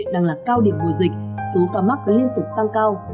đang là cao điểm mùa dịch số ca mắc đã liên tục tăng cao